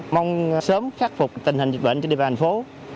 mong sớm khắc phục tình hình dịch bệnh trên địa bàn thành phố